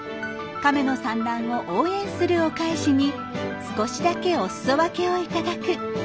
カメの産卵を応援するお返しに少しだけお裾分けを頂く。